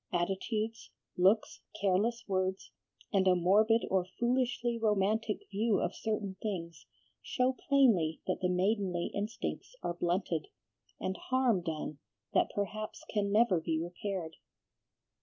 Attitudes, looks, careless words, and a morbid or foolishly romantic view of certain things, show plainly that the maidenly instincts are blunted, and harm done that perhaps can never be repaired."